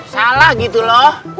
salah gitu loh